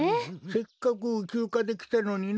せっかくきゅうかできたのにな。